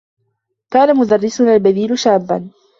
كان مدرّسنا البديل شابّا.